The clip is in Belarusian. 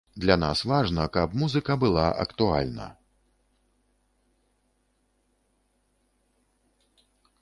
Для нас важна, каб музыка была актуальна.